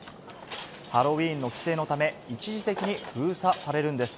ハロウィーンの規制のため、一時的に封鎖されるんです。